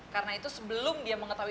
karena itu sebelum dia mengetahui